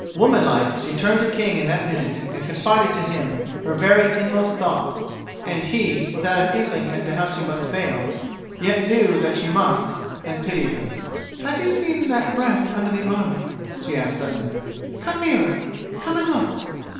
Womanlike, she turned to King in that minute and confided to him her very inmost thoughts. And he, without an inkling as to how she must fail, yet knew that she must, and pitied her. "Have you seen that breast under the armor?" she asked suddenly. "Come nearer! Come and look!